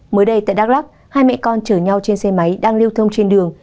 mới đây tại đắk lắc hai mẹ con chở nhau trên xe máy đang lưu thông trên đường